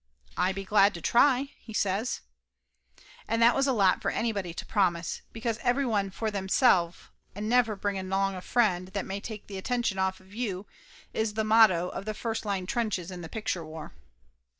"Aye be glad to try," he says. And that was a lot for anybody to promise, because every one for themself and never bring along a friend that may take attention off you, is the motto of the first line trenches in the picture war.